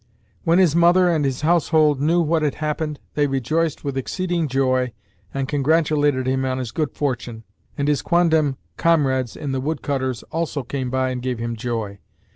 When his mother and his household knew what had happened, they rejoiced with exceeding joy and congratulated him on his good fortune; and his quondam comrades the woodcutters also came and gave him joy.